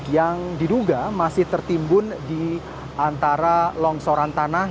yang diduga masih tertimbun di antara longsoran tanah